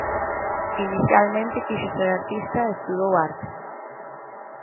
Inicialmente quixo ser artista e estudou arte.